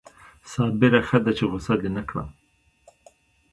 صابره ښه ده چې غصه دې نه کړم